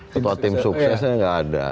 ketua tim suksesnya nggak ada